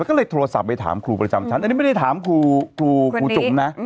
ก็เลยโทรศัพท์ไปถามครูประจำชั้นอันนี้ไม่ได้ถามครูจุ๋มนะ